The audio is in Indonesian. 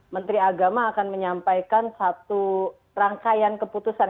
menteri agama akan menyampaikan satu rangkaian keputusan